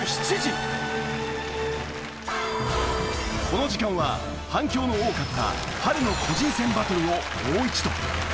この時間は反響の多かった春の個人戦バトルをもう一度。